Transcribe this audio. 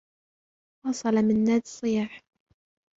واصل منّاد الصّياح.